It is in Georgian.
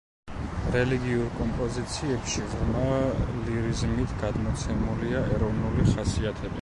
რელიგიურ კომპოზიციებში ღრმა ლირიზმით გადმოცემულია ეროვნული ხასიათები.